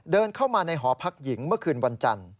เดินเข้ามาในหอพักหญิงเมื่อคืนวันจันทร์